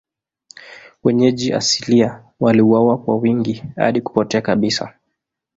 Wenyeji asilia waliuawa kwa wingi hadi kupotea kabisa.